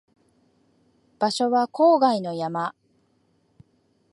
場所は郊外の山